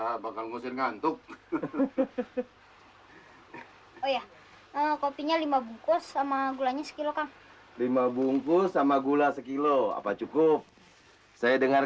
oh ya kopinya lima bungkus sama gulanya sekilokan lima bungkus sama gula sekilo apa cukup saya dengar